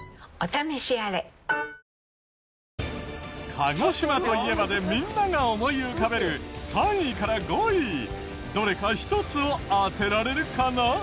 鹿児島といえばでみんなが思い浮かべる３位から５位どれか１つを当てられるかな？